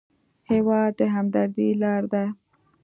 هېواد د همدردۍ لاره ده.